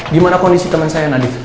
gimana kondisi teman saya nadif